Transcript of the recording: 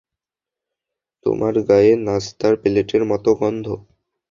তোমার গায়ে নাস্তার প্লেটের মত গন্ধ।